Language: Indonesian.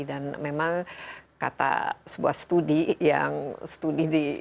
dan memang kata sebuah studi yang studi di